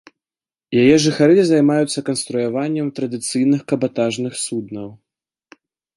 Яе жыхары займаюцца канструяваннем традыцыйных кабатажных суднаў.